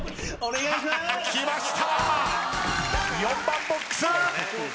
４番ボックス。